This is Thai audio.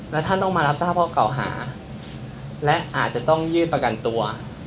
และท่านต้องมารับทราบข้อเก่าหาและอาจจะต้องยื่นประกันตัว